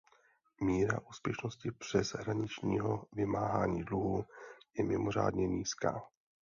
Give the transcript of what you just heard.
Míra úspěšnosti přeshraničního vymáhání dluhů je mimořádně nízká.